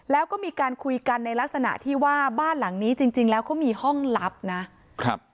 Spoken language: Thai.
แล้วก็มีการคุยกันในลักษณะที่ว่าบ้านหลังนี้จริงจริงแล้วเขามีห้องลับนะครับ